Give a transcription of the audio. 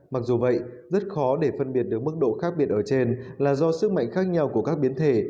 mặc dù vậy rất khó để phân biệt được mức độ khác biệt ở trên là do sức mạnh khác nhau của các biến thể